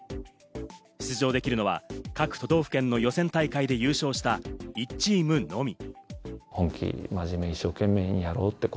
出場できるのは各都道府県の予選大会で優勝した１チームのみ。